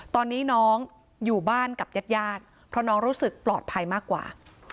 ตอนนี้น้องอยู่บ้านกับญาติญาติเพราะน้องรู้สึกปลอดภัยมากกว่า